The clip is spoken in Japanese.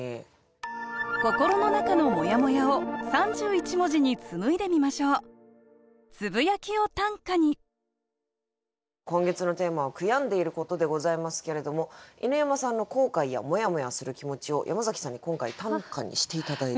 心の中のモヤモヤを３１文字に紡いでみましょう今月のテーマは「悔やんでいること」でございますけれども犬山さんの後悔やモヤモヤする気持ちを山崎さんに今回短歌にして頂いたという。